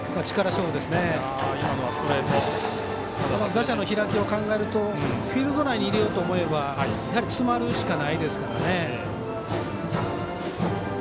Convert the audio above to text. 打者の開きを考えるとフィールド内に入れようと思えば詰まるしかないですから。